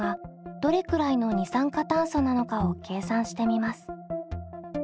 どれくらいの二酸化炭素なのかを計算してみます。